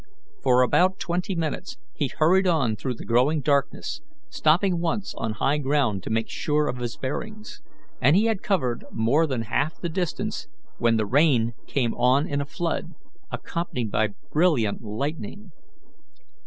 For about twenty minutes he hurried on through the growing darkness, stopping once on high ground to make sure of his bearings, and he had covered more than half the distance when the rain came on in a flood, accompanied by brilliant lightning.